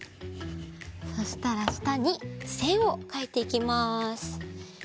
そしたらしたにせんをかいていきます。